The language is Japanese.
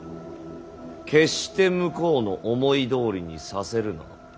決して向こうの思いどおりにさせるな。